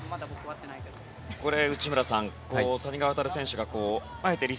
内村さん、谷川航選手があえてリ